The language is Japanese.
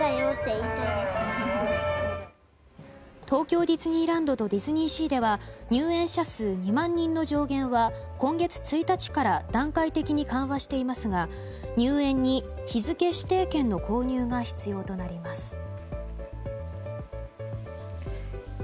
東京ディズニーランドとディズニーシーでは入園者数２万人の上限は今月１日から段階的に緩和していますが入園に日付指定券の購入が必要となります。